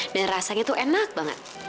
dan rasanya tuh enak banget